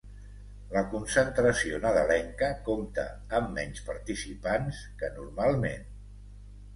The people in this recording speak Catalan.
La concentració nadalenca compta amb menys participants que normalment